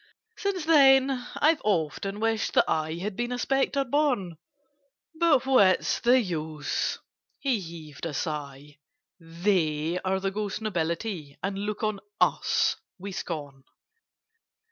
"Since then I've often wished that I Had been a Spectre born. But what's the use?" (He heaved a sigh.) "They are the ghost nobility, And look on us with scorn.